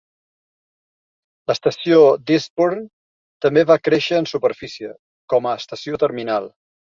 L'estació d'Eastbourne també va créixer en superfície, com a estació terminal.